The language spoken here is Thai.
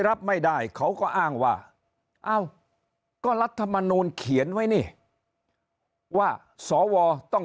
รับไม่ได้เขาก็อ้างว่าเอ้าก็รัฐมนูลเขียนไว้นี่ว่าสวต้อง